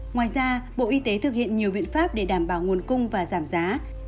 ngoài ra bộ y tế thực hiện nhiều biện pháp để đảm bảo nguồn cung và giảm giá